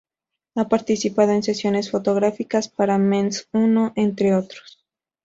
Ha participado en sesiones fotográficas para "Men's Uno", entre otros...